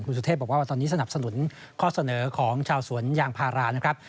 สุเทพบอกว่าตอนนี้สนับสนุนข้อเสนอของชาวสวนยางพารานะครับ